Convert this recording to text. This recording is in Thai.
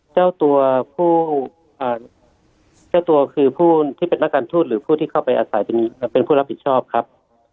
เจ้าตัวผู้เจ้าตัวคือผู้ที่เป็นนักการทูตหรือผู้ที่เข้าไปอาศัยเป็นผู้รับผิดชอบครับ